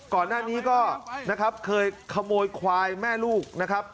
ก่อนหน้านี้ก็นะครับเคยขโมยควายแม่ลูกนะครับ